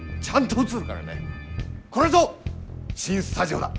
これぞ新スタジオだ！